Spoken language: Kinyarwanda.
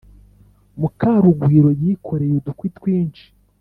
Mukarugwiro yikoreye udukwi twinshi